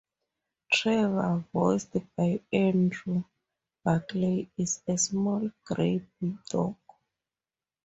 Trevor, voiced by Andrew Barclay, is a small, grey bulldog.